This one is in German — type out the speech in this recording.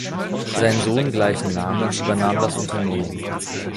Sein Sohn gleichen Namens übernahm das Unternehmen.